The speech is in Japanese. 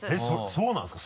そうなんですか？